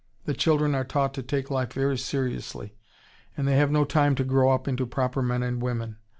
The children are taught to take life very seriously ... and they have no time to grow up into proper men and women.